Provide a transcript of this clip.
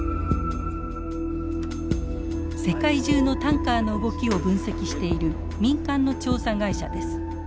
世界中のタンカーの動きを分析している民間の調査会社です。